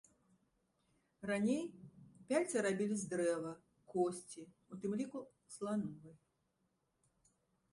Раней пяльцы рабілі з дрэва, косці, у тым ліку слановай.